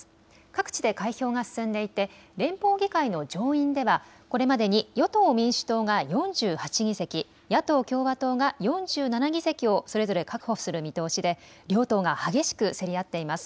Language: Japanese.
各地で開票が進んでいて連邦議会の上院ではこれまでに与党・民主党が４８議席、野党・共和党が４７議席をそれぞれ確保する見通しで両党が激しく競り合っています。